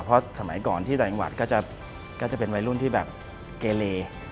เพราะสมัยก่อนที่ต่างจังหวัดก็จะเป็นวัยรุ่นที่แบบเกเล